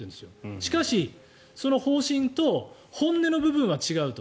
しかし、その方針と本音の部分は違うと。